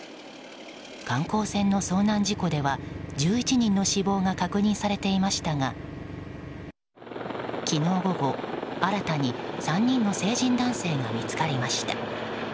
観光船の遭難事故では１１人の死亡が確認されていましたが昨日午後、新たに３人の成人男性が見つかりました。